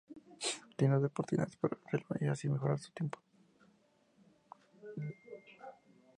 Tienen dos oportunidades para hacerlo y así mejorar su tiempo.